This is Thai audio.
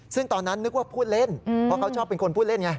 ซึ่งตอนนั้นนึกว่าพูดเล่นเพราะเขาชอบเป็นคนพูดเล่นไง